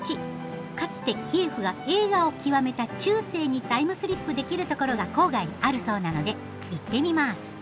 かつてキエフが栄華を極めた中世にタイムスリップできるところが郊外にあるそうなので行ってみます。